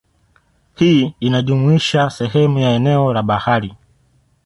Hii inajumuisha sehemu ya eneo la bahari